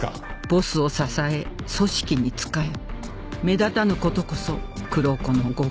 ボスを支え組織に仕え目立たぬ事こそ黒子の極意